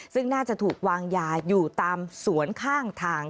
ซึ่งน่าจะถูกวางยาอยู่ตามสวนข้างทาง